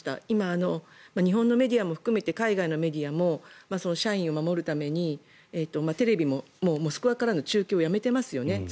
今、日本のメディアも含めて海外のメディアも社員を守るためにテレビもモスクワからの中継をやめていますよね。